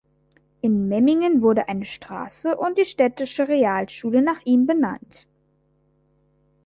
In Memmingen wurde eine Straße und die städtische Realschule nach ihm benannt.